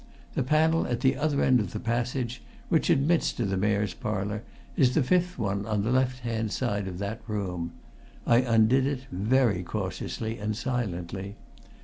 The panel at the other end of the passage, which admits to the Mayor's Parlour, is the fifth one on the left hand side of that room; I undid it very cautiously and silently.